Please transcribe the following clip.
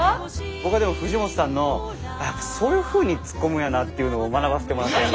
僕はでも藤本さんのやっぱそういうふうに突っ込むんやなっていうのを学ばせてもらってます。